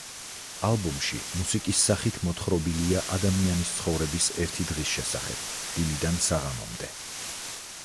ალბომში მუსიკის სახით მოთხრობილია ადამიანის ცხოვრების ერთი დღის შესახებ, დილიდან საღამომდე.